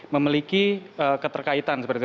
memiliki keterkaitan seperti itu